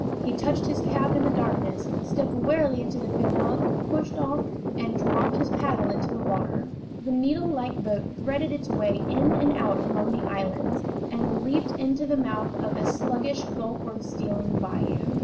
He touched his cap in the darkness, stepped warily into the pirogue, pushed off, and dropped his paddle into the water. The needle like boat threaded its way in and out among the islands, and leaped into the mouth of a sluggish gulfward stealing bayou.